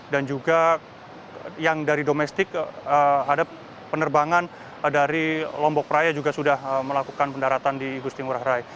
dan juga yang dari domestik ada penerbangan dari lombok raya juga sudah melakukan pendaratan di igusti ngurah rai